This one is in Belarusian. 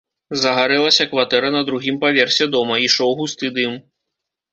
Загарэлася кватэра на другім паверсе дома, ішоў густы дым.